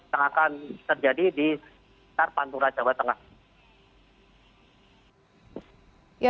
yang akan terjadi di